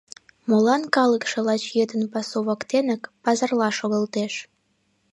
Молан калыкше лач йытын пасу воктенак пазарла шогылтеш?